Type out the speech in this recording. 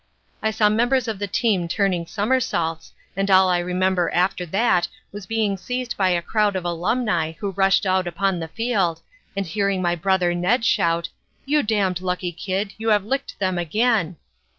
"I saw members of the team turning somersaults, and all I remember after that was being seized by a crowd of alumni who rushed out upon the field, and hearing my brother Ned shout, 'You damned lucky kid, you have licked them again.'